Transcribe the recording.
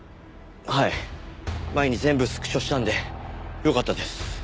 前に全部スクショしたんでよかったです。